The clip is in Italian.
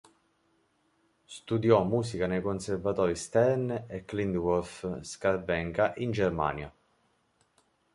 Studiò musica nei conservatori Stern e Klindworth-Scharwenka in Germania.